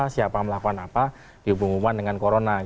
siapa melakukan apa dihubungkan dengan corona